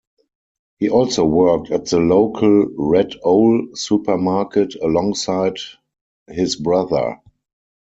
He also worked at the local Red Owl supermarket alongside his brother.